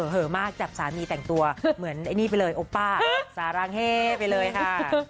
เหอะมากจับสามีแต่งตัวเหมือนไอ้นี่ไปเลยโอป้าสารางเฮ่ไปเลยค่ะ